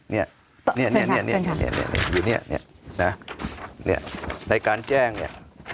เนี้ยเนี้ยเนี้ยเนี้ยอยู่เนี้ยเนี้ยนะเนี้ยในการแจ้งเนี้ย